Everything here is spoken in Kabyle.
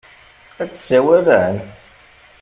Ad d-sawalen?